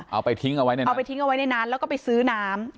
เอาไปทิ้งไว้ในนั้นแล้วก็ไปซื้อน้ำ